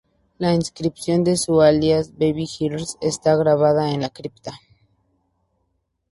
La inscripción de su alias, "Baby Girl", está grabada en la cripta.